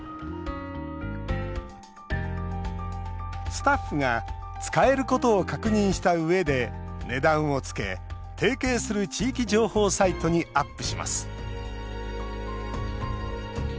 スタッフが使えることを確認したうえで値段をつけ提携する地域情報サイトにアップします。